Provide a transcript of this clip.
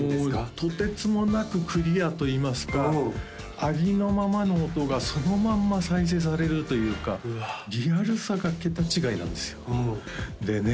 とてつもなくクリアといいますかありのままの音がそのまんま再生されるというかリアルさが桁違いなんですよでね